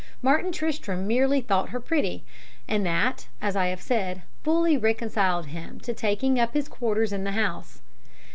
Martin Tristram merely thought her pretty, and that, as I have said, fully reconciled him to taking up his quarters in the house.